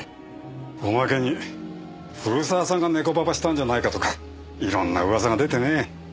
おまけに古澤さんがネコババしたんじゃないかとかいろんな噂が出てね